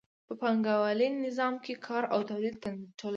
په پانګوالي نظام کې کار او تولید ټولنیز وي